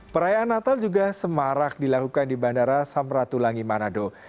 perayaan natal juga semarak dilakukan di bandara samratulangi manado